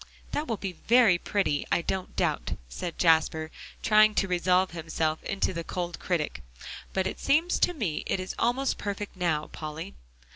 "That will be very pretty, I don't doubt," said Jasper, trying to resolve himself into the cold critic, "but it seems to me it is almost perfect now, Polly."